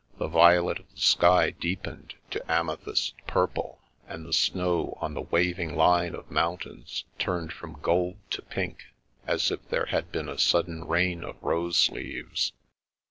The violet of the sky deepened to ame thyst purple, and the snow on the waving line of mountains turned fr(»n gold to pink, as if there had been a sudden rain of rose leaves.